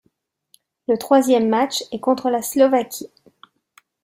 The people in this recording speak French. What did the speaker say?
Le troisième match est contre la Slovaquie.